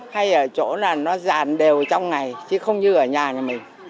hay ở chỗ là nó giàn đều trong ngày chứ không như ở nhà nhà mình